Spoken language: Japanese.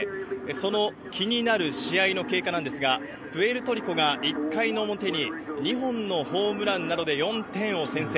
その気になる試合の経過なんですが、プエルトリコが１回の表に２本のホームランなどで４点を先制。